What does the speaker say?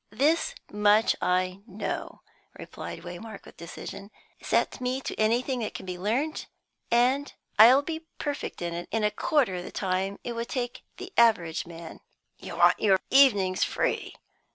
"This much I know," replied Waymark, with decision. "Set me to anything that can be learnt, and I'll be perfect in it in a quarter the time it would take the average man." "You want your evenings free?"